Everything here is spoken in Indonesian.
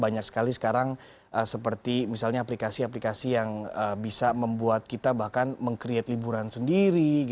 banyak sekali sekarang seperti misalnya aplikasi aplikasi yang bisa membuat kita bahkan meng create liburan sendiri